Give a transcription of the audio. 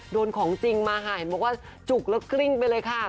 โดนของจริงมาค่ะเห็นบอกว่าจุกแล้วกลิ้งไปเลยค่ะ